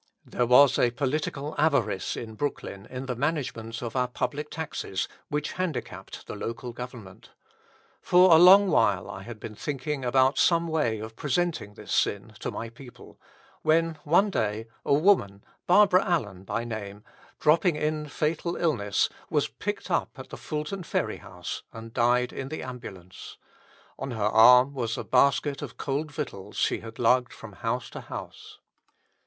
There was a political avarice in Brooklyn in the management of our public taxes which handicapped the local government. For a long while I had been thinking about some way of presenting this sin to my people, when one day a woman, Barbara Allen by name, dropping in fatal illness, was picked up at the Fulton Ferry House, and died in the ambulance. On her arm was a basket of cold victuals she had lugged from house to house.